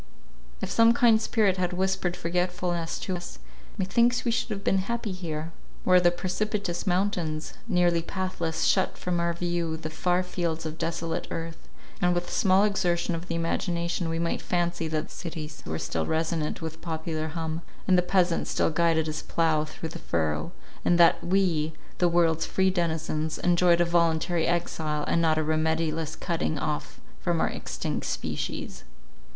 If some kind spirit had whispered forgetfulness to us, methinks we should have been happy here, where the precipitous mountains, nearly pathless, shut from our view the far fields of desolate earth, and with small exertion of the imagination, we might fancy that the cities were still resonant with popular hum, and the peasant still guided his plough through the furrow, and that we, the world's free denizens, enjoyed a voluntary exile, and not a remediless cutting off from our extinct species.